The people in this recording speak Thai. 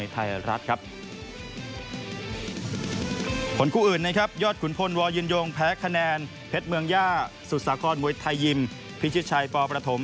ทายยิมพิชิชชัยปประถม